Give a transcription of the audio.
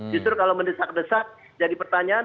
justru kalau mendesak desak jadi pertanyaan